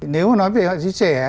nếu mà nói về họa sĩ trẻ á